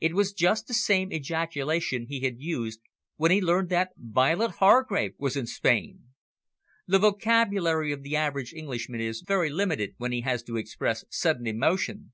It was just the same ejaculation he had used when he learned that Violet Hargrave was in Spain. The vocabulary of the average Englishman is very limited when he has to express sudden emotion.